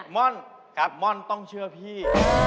ม่อนครับม่อนต้องเชื่อพี่